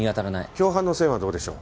共犯の線はどうでしょう？